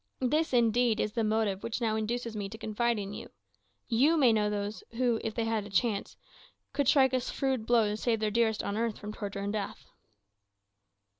This, indeed, is the motive which now induces me to confide in you. You may know those who, if they had the chance, could strike a shrewd blow to save their dearest on earth from torture and death."